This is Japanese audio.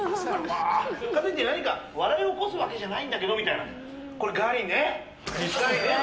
食べて何か笑いを起こすわけじゃないんだけどこれ、ガリね。